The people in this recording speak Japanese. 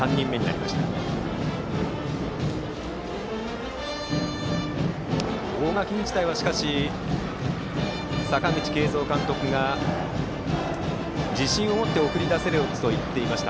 しかし、大垣日大は阪口慶三監督が自信を持って送り出せると言っていました